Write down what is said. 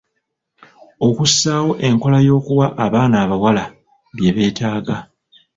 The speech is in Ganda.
Okussaawo enkola y'okuwa abaana abawala byebeetaga.